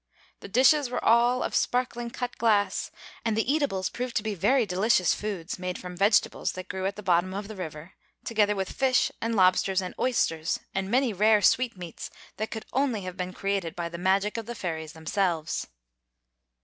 The dishes were all of sparkling cut glass, and the eatables proved to be very delicious foods made from vegetables that grew at the bottom of the river, together with fish and lobsters and oysters, and many rare sweetmeats that could only have been created by the magic of the fairies themselves.